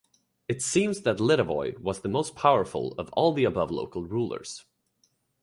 It seems that Litovoi was the most powerful of all the above local rulers.